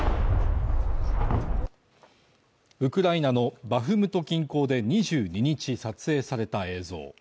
ウクライナのバフムト近郊で２２日撮影された映像。